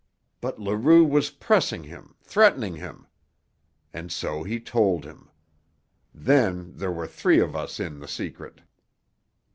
But Leroux was pressing him, threatening him. And so he told him. Then there were three of us in the secret.